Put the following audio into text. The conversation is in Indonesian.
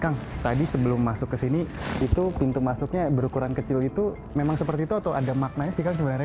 kang tadi sebelum masuk ke sini itu pintu masuknya berukuran kecil itu memang seperti itu atau ada maknanya sih kang sebenarnya